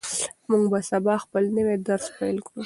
موږ به سبا خپل نوی درس پیل کړو.